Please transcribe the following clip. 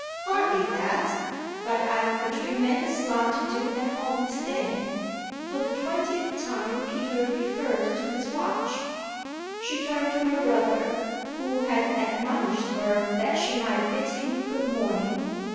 "Hardly that. But I've a tremendous lot to do at home to day." For the twentieth time Peter referred to his watch. She turned to her brother, who had admonished her that she might bid him good morning.